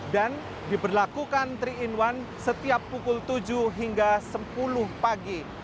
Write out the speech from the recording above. dan diberlakukan tiga in satu setiap pukul tujuh hingga sepuluh pagi